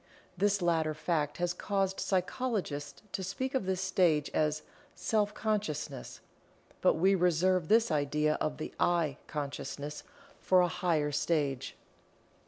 This latter fact has caused psychologists to speak of this stage as "Self consciousness," but we reserve this idea of the "I" consciousness for a higher stage.